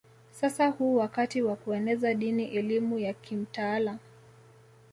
Sasa huu wakati wa kueneza dini elimu ya kimtaala